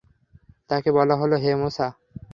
তাকে বলা হল, হে মূসা!